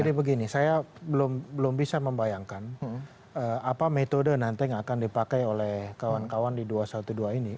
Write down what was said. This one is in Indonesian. jadi begini saya belum bisa membayangkan apa metode nanti yang akan dipakai oleh kawan kawan di dua ratus dua belas ini